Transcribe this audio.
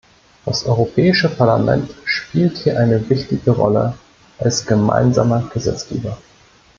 Das Europäische Parlament spielt hier eine wichtige Rolle als gemeinsamer Gesetzgeber.